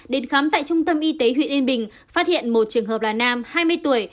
đến khám tại trung tâm y tế huyện yên bình phát hiện một trường hợp là nam hai mươi tuổi